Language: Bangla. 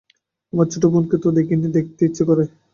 আমার ছোটো বোনকে তো দেখিনি, দেখতে ইচ্ছে করে।